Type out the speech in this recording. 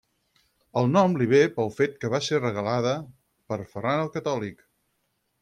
El nom li ve pel fet que va ser regalada per Ferran el Catòlic.